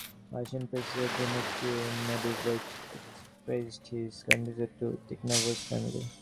Russian President Dmitry Medvedev expressed his condolences to Tikhonov's family.